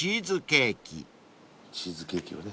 チーズケーキをね。